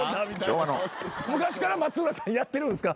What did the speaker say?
昔から松浦さんやってるんすか？